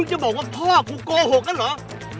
เธอจะบอกว่าพ่อคูกลโกหกน่ะเหรอ